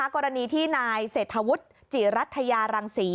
กรณีที่นายเศรษฐวุฒิจิรัฐยารังศรี